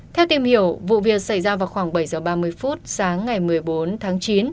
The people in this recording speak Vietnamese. theo tìm hiểu vụ việc xảy ra vào khoảng bảy h ba mươi phút sáng ngày một mươi bốn tháng chín